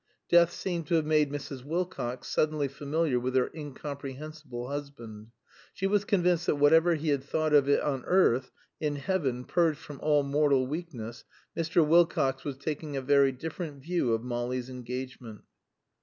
Death seemed to have made Mrs. Wilcox suddenly familiar with her incomprehensible husband. She was convinced that whatever he had thought of it on earth, in heaven, purged from all mortal weakness, Mr. Wilcox was taking a very different view of Molly's engagement.